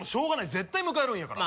絶対迎えるんやから。